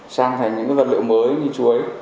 sang thành những vật liệu mới như chuối